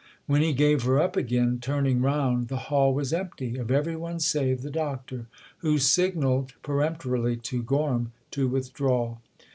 When he gave her up again, turning round, the hall was empty of every one save the Doctor, who signalled peremptorily to Gorham to withdraw.